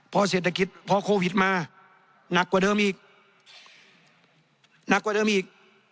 พอเศรษฐกิจพอโควิดมาหนักกว่าเดิมอีก